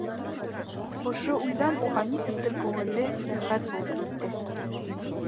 Ошо уйҙан уға нисектер күңелле, рәхәт булып китте.